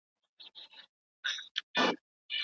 که لمر ډېر تود شي نو ځمکه چاودېږي.